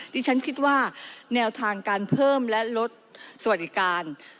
ที่ฉันคิดว่าแนวทางการเพิ่มและลดสวัสดิการ